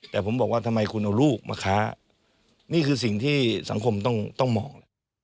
แต่ผมบอกว่าทำไมคุณเอาลูกมาค้านี่คือสิ่งที่สังคมต้องมองล่ะ